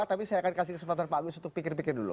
tapi saya akan kasih kesempatan pak agus untuk pikir pikir dulu